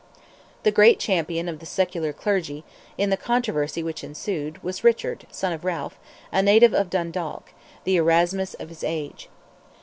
The great champion of the secular clergy, in the controversy which ensued, was Richard, son of Ralph, a native of Dundalk, the Erasmus of his age.